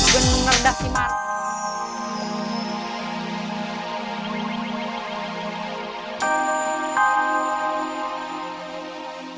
bener enggak sih markum